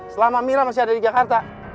selama mira masih ada di jakarta